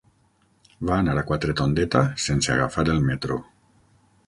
Va anar a Quatretondeta sense agafar el metro.